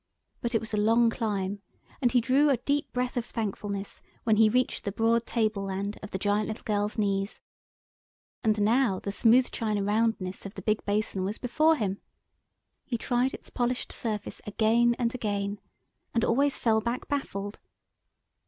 But it was a long climb, and he drew a deep breath of thankfulness when he reached the broad table land of the giant little girl's knees—and now the smooth china roundness of the big basin was before him. He tried its polished surface again and again, and always fell back baffled.